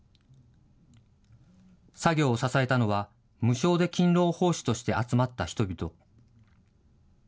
作業を支えたのは、無償で勤労奉仕として集まった人々。